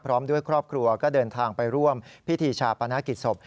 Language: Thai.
พร้อมด้วยครอบครัวก็เดินทางไปร่วมพิธีชาปนกิจศพ